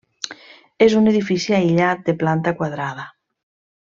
És un edifici aïllat de planta quadrada.